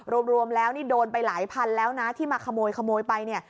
รวมแล้วนี่โดนไปหลายพันแล้วนะที่มาขโมยไปเนี่ย